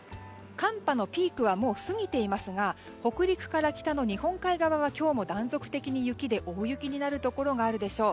寒波のピークはもう過ぎていますが北陸から北の日本海側は今日も断続的に雪で大雪になるところがあるでしょう。